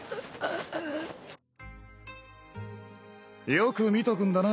よく見とくんだな。